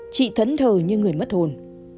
chị thẫn thờ như người mất hồn